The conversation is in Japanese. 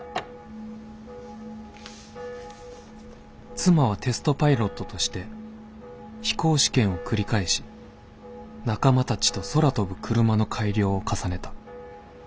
「妻はテストパイロットとして飛行試験を繰り返し仲間たちと空飛ぶクルマの改良を重ねた。